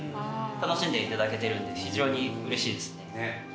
楽しんで頂けてるんで非常に嬉しいですね。